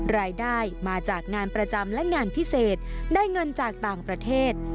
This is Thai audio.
รายได้มาจากงานประจำและงานพิเศษได้เงินจากต่างประเทศ